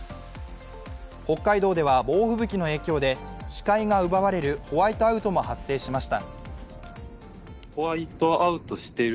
北海道では猛吹雪の影響で視界が奪われるホワイトアウトも発生しました。